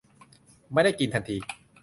ไม่ได้กินทันที